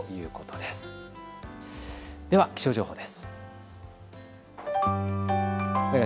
では気象情報です。